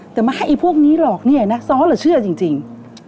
แต่มาให้พวกนี้หลอกเนี่ยนะสอทำไมจะเชื่อจริง